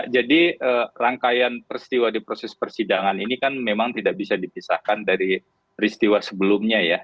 jadi rangkaian peristiwa di proses persidangan ini kan memang tidak bisa dipisahkan dari peristiwa sebelumnya ya